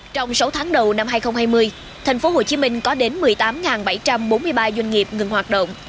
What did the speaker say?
trong sáu tháng đầu năm hai nghìn hai mươi tp hcm có đến một mươi tám bảy trăm bốn mươi ba doanh nghiệp ngừng hoạt động